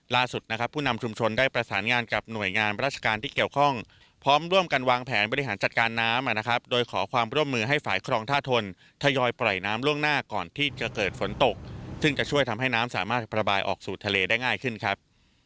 ล่าสุดนะครับผู้นำชุมชนได้ประสานงานกับหน่วยงานราชการที่เกี่ยวข้องพร้อมร่วมกันวางแผนบริหารจัดการน้ำนะครับโดยขอความร่วมมือให้ฝ่ายครองท่าทนทยอยปล่อยน้ำล่วงหน้าก่อนที่จะเกิดฝนตกซึ่งจะช่วยทำให้น้ำสามารถระบายออกสู่ทะเลได้ง่ายขึ้นครับ